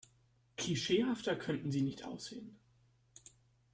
Klischeehafter könnten Sie nicht aussehen.